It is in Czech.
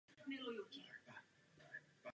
Centrální rovina se nachází dále ve vnitrozemí.